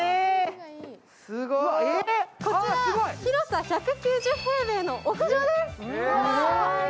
こちら、広さ１９０平米の屋上です。